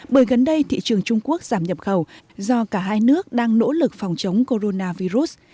bởi gần đây thị trường trung quốc giảm nhập khẩu do cả hai nước đang nỗ lực phòng chống coronavirus